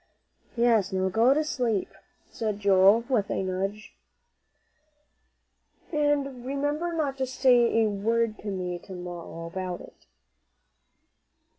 "Yes; now go to sleep," cried Joel, with a nudge, "and remember not to say a word to me to morrow about it."